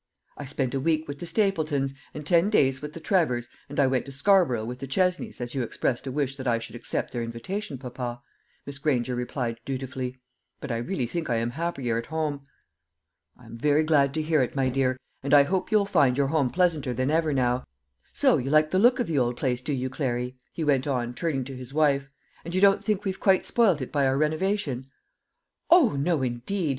"I spent a week with the Stapletons, and ten days with the Trevors, and I went to Scarborough with the Chesneys, as you expressed a wish that I should accept their invitation, papa," Miss Granger replied dutifully; "but I really think I am happier at home." "I'm very glad to hear it, my dear, and I hope you'll find your home pleasanter than ever now. So you like the look of the old place, do you, Clary?" he went on, turning to his wife; "and you don't think we've quite spoilt it by our renovation?" "O no, indeed.